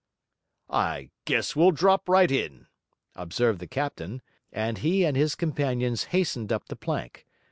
'I guess we'll drop right in,' observed the captain; and he and his companions hastened up the plank.